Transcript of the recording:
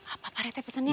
apa pak rete pesannya